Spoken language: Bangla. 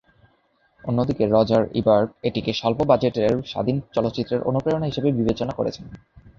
অন্যদিকে রজার ইবার্ট এটিকে স্বল্প বাজেটের স্বাধীন চলচ্চিত্রের অনুপ্রেরণা হিসেবে বিবেচনা করেছেন।